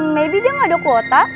maybe dia gak ada kuota